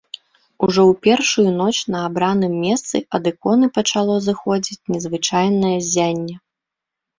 Ужо ў першую ноч на абраным месцы ад іконы пачало зыходзіць незвычайнае ззянне.